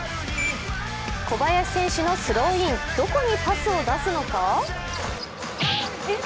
小林選手のスローイン、どこにパスを出すのか？